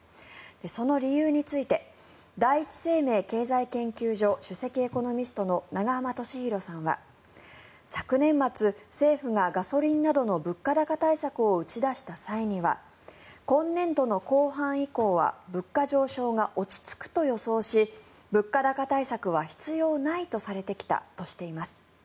その理由について第一生命経済研究所首席エコノミストの永濱利廣さんは昨年末、政府がガソリンなどの物価高対策を打ち出した際には今年度の後半以降は物価上昇が落ち着くと予想し物価高対策は必要ないとされてきたとしています。